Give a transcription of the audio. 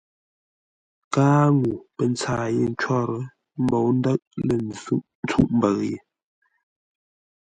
Káa ŋuu pə́ ntsâa yé ncwór, ə́ mbou ndə̂ʼ lə̂ ntsûʼ mbəʉ ye.